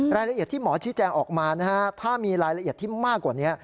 รายละเอียดที่หมอชี้แจงออกมานะฮะถ้ามีรายละเอียดที่มากกว่านี้